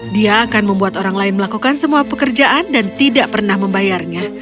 dia akan membuat orang lain melakukan semua pekerjaan dan tidak pernah membayarnya